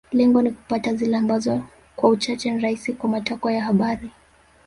Lengo ni kupata zile ambazo kwa uchache ni rahisi kwa matakwa ya habari